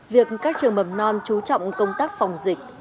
việc các trường mầm non chú trọng công tác phòng dịch